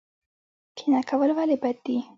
کینه کول ولې بد دي؟